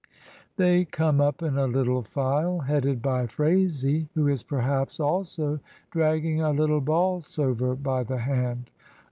They come up in a little file headed by Phraisie, 288 MRS. DYMOND. who is perhaps also dragging a little Bolsover by the hand.